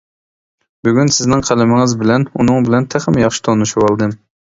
بۈگۈن سىزنىڭ قەلىمىڭىز بىلەن ئۇنىڭ بىلەن تېخىمۇ ياخشى تونۇشۇۋالدىم.